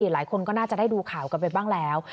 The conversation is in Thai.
หลายคนก็น่าจะได้ดูข่าวกันไปบ้างแล้ว